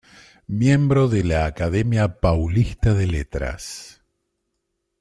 Miembro de la Academia Paulista de Letras.